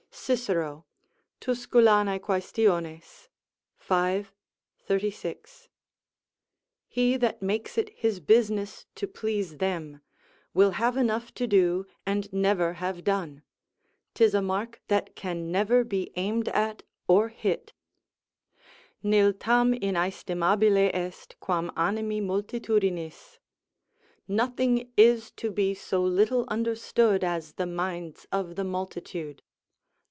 Cicero, Tusc. Quaes., v. 36.] He that makes it his business to please them, will have enough to do and never have done; 'tis a mark that can never be aimed at or hit: "Nil tam inaestimabile est, quam animi multitudinis." ["Nothing is to be so little understood as the minds of the multitude."